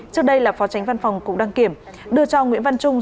trước đây là phó tránh văn phòng cục đăng kiểm đưa cho nguyễn văn trung